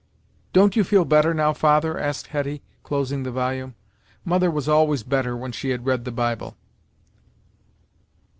"Don't you feel better now, father?" asked Hetty, closing the volume. "Mother was always better when she had read the Bible."